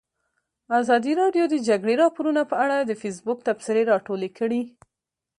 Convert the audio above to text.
ازادي راډیو د د جګړې راپورونه په اړه د فیسبوک تبصرې راټولې کړي.